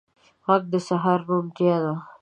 غږ د سهار روڼتیا ده